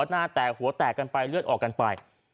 หน้าแตกหัวแตกกันไปเลือดออกกันไป